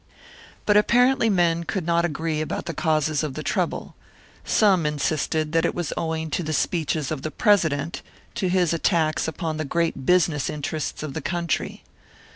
But apparently men could not agree about the causes of the trouble. Some insisted that it was owing to the speeches of the President, to his attacks upon the great business interests of the country.